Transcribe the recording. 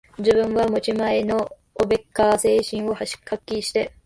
自分は持ち前のおべっか精神を発揮して、